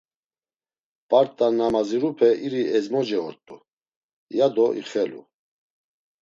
P̌art̆a na mazirupe iri ezmoce ort̆u, yado ixelu.